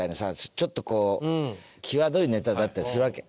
ちょっとこう際どいネタだったりするわけ。